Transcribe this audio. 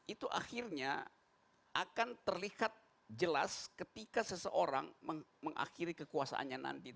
itu akhirnya akan terlihat jelas ketika seseorang mengakhiri kekuasaannya nanti